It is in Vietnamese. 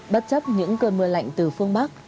bất chấp những cơn mưa lạnh từ phương bắc